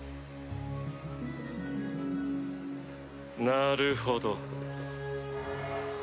なるほど。